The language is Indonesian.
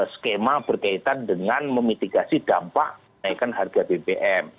skema berkaitan dengan memitigasi dampak kenaikan harga bbm